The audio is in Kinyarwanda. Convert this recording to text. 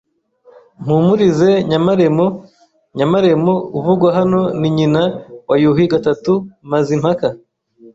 Mpumurize Nyamaremo Nyamaremo uvugwa hano ni nyina wa Yuhi III Mazimpaka